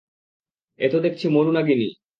এ তো দেখছি মরু নাগিনী।